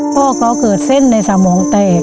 พ่อก่อเกิดเส้นในสมองแพ่